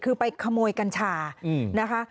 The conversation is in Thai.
คือไปขโมยกัญชานะคะ